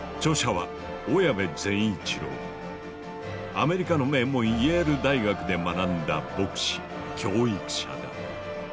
著者はアメリカの名門イェール大学で学んだ牧師・教育者だ。